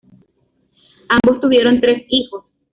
Ambos tuvieron tres hijos.